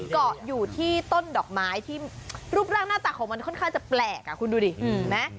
เกาะอยู่ที่ต้นดอกไม้ที่รูปร่างหน้าตาของมันค่อนข้างจะแปลกคุณดูดิเห็นไหม